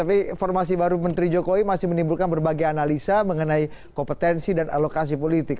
tapi informasi baru menteri jokowi masih menimbulkan berbagai analisa mengenai kompetensi dan alokasi politik